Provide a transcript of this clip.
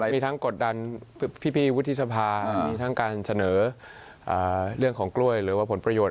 มีทั้งกดดันพี่วุฒิสภามีทั้งการเสนอเรื่องของกล้วยหรือว่าผลประโยชน